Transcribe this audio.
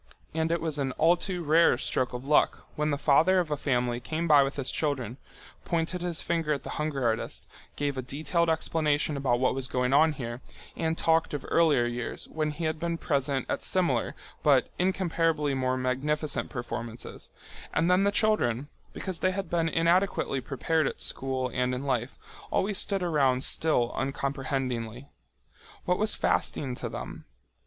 And it was an all too rare stroke of luck when the father of a family came by with his children, pointed his finger at the hunger artist, gave a detailed explanation about what was going on here, and talked of earlier years, when he had been present at similar but incomparably more magnificent performances, and then the children, because they had been inadequately prepared at school and in life, always stood around still uncomprehendingly. What was fasting to them?